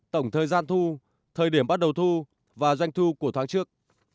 tổng thời gian thu thời điểm bắt đầu thu và doanh thu của tháng trước